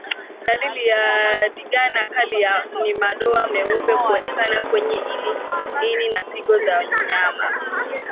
Dalili ya ndigana kali ni madoa meupe kuonekana kwenye ini na figo za mnyama